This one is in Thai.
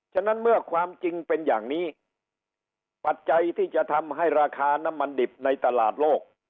ฉะนั้นเมื่อความจริงเป็นอย่างนี้ปัจจัยที่จะทำให้ราคาน้ำมันดิบในตลาดโลก